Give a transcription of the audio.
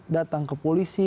datang ke polisi